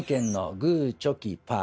グーチョキパー。